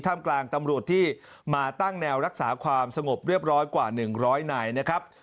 กลางตำรวจที่มาตั้งแนวรักษาความสงบเรียบร้อยกว่า๑๐๐นายนะครับ